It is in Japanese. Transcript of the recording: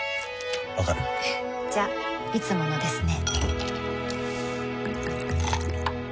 わかる？じゃいつものですね